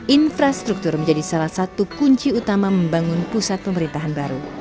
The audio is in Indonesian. infrastruktur menjadi salah satu kunci utama membangun pusat pemerintahan baru